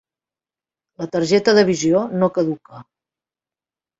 La targeta de visió no caduca.